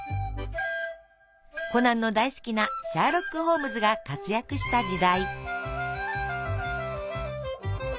コナンの大好きなシャーロック・ホームズが活躍した時代。